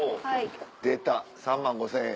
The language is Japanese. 出た３万５０００円。